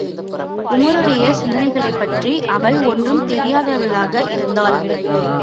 உமாருடைய சிந்தனைகளைப்பற்றி அவள் ஒன்றுந் தெரியாதவளாக இருந்தாள்.